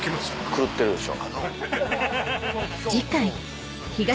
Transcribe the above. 狂ってるでしょ。